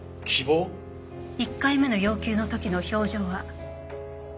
１回目の要求の時の表情は。